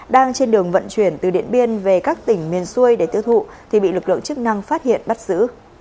đang trên đường vận chuyển từ điện biên về các tỉnh miền xuôi để tiêu thụ thì bị lực lượng chức năng phát hiện bắt giữ